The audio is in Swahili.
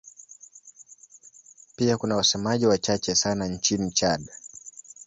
Pia kuna wasemaji wachache sana nchini Chad.